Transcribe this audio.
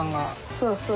そうそう。